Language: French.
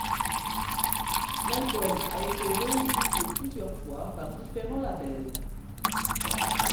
L'album a été réédité plusieurs fois par différents labels.